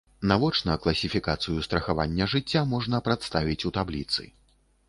Навочна класіфікацыю страхавання жыцця можна прадставіць у табліцы.